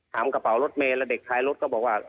กระเป๋ารถเมย์แล้วเด็กท้ายรถก็บอกว่า